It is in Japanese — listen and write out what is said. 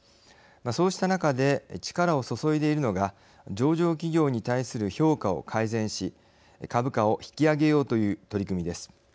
そうした中で力を注いでいるのが上場企業に対する評価を改善し株価を引き上げようという取り組みです。